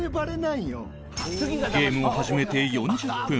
ゲームを始めて４０分